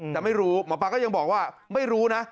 แต่ไม่รู้หมอปลาก็ยังบอกว่าไม่รู้นะ